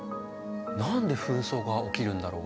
何で紛争が起きるんだろう？